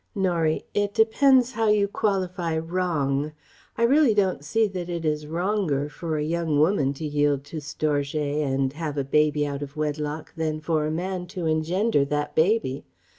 Norie: "It depends how you qualify 'wrong.' I really don't see that it is 'wronger' for a young woman to yield to 'storgé' and have a baby out of wedlock than for a man to engender that baby.